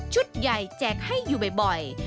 ใหญ่แจกให้อยู่บ่อย